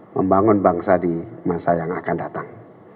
membangun bangsa di masa yang akan datang